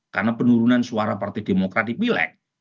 karena penurunan suara partai demokrat di pileg